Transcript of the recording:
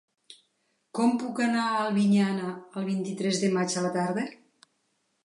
Com puc anar a Albinyana el vint-i-tres de maig a la tarda?